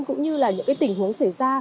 cũng như là những cái tình huống xảy ra